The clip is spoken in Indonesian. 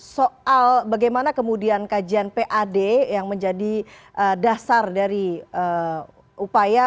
soal bagaimana kemudian kajian pad yang menjadi dasar dari upaya